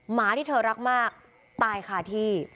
หมาที่เธอรักมากตายคาที่